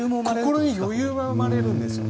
心に余裕が生まれるんですね。